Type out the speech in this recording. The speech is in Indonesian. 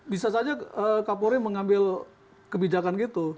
bisa saja kak pauli mengambil kebijakan itu